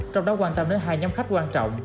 trong đó quan tâm đến hai nhóm khách quan trọng